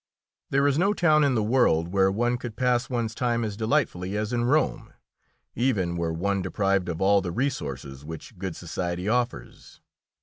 There is no town in the world where one could pass one's time as delightfully as in Rome, even were one deprived of all the resources which good society offers.